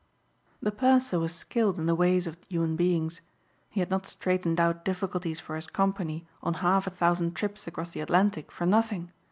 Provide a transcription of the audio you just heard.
The purser was skilled in the ways of human beings. He had not straightened out difficulties for his company on half a thousand trips across the Atlantic for nothing.